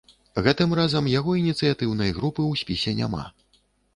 Гэтым разам яго ініцыятыўнай групы ў спісе няма.